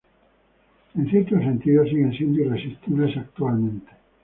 En cierto sentido, siguen siendo irresistibles actualmente.